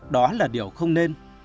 đó là điều không nên